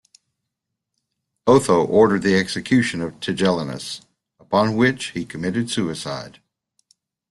Otho ordered the execution of Tigellinus, upon which he committed suicide.